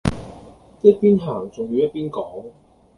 一邊行仲要一邊講